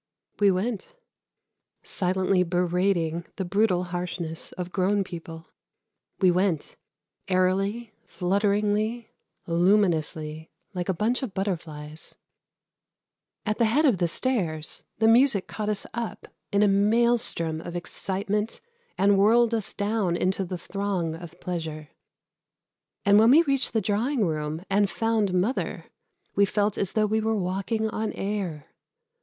We went, silently berating the brutal harshness of grown people. We went, airily, flutteringly, luminously, like a bunch of butterflies. At the head of the stairs the music caught us up in a maelstrom of excitement and whirled us down into the throng of pleasure. And when we reached the drawing room and found mother we felt as though we were walking on air.